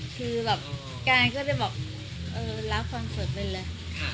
การก็จะรับความสุขได้เลย